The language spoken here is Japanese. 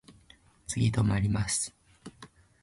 次止まります。